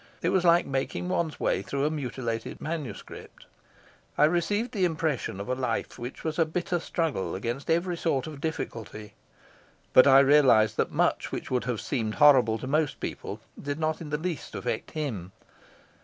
It was like making one's way through a mutilated manuscript. I received the impression of a life which was a bitter struggle against every sort of difficulty; but I realised that much which would have seemed horrible to most people did not in the least affect him.